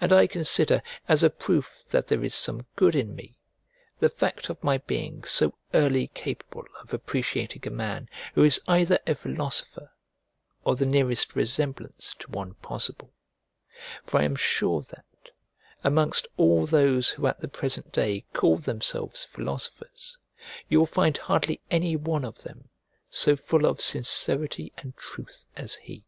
And I consider as a proof that there is some good in me the fact of my being so early capable of appreciating a man who is either a philosopher or the nearest resemblance to one possible; for I am sure that, amongst all those who at the present day call themselves philosophers, you will find hardly any one of them so full of sincerity and truth as he.